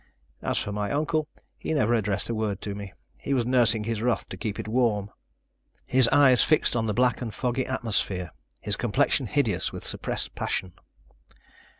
As for my uncle, he never addressed a word to me. He was nursing his wrath to keep it warm! His eyes fixed on the black and foggy atmosphere, his complexion hideous with suppressed passion.